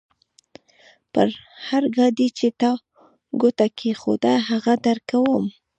پر هر ګاډي چې تا ګوته کېښوده؛ هغه درکوم.